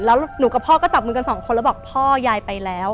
แล้วหนูกับพ่อก็จับมือกันสองคนแล้วบอกพ่อยายไปแล้ว